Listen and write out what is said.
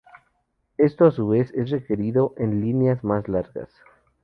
Esto a su vez es requerido en líneas más largas.